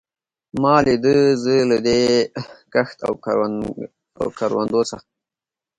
ما لیده، زه له دې کښت او کروندو څخه.